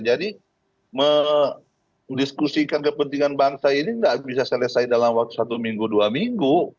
jadi mendiskusikan kepentingan bangsa ini tidak bisa selesai dalam waktu satu minggu dua minggu